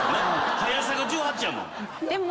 速さが１８やもん。